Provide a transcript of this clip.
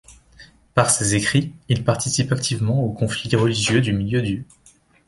Par ses écrits, il participe activement aux conflits religieux du milieu du.